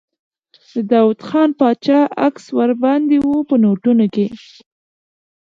د داووخان باچا عکس ور باندې و په نوټونو کې.